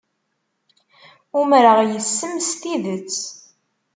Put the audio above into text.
Umreɣ yes-m s tidet.